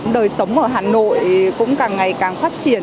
đời sống ở hà nội cũng càng ngày càng phát triển